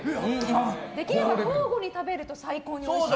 できれば交互に食べるとおいしい。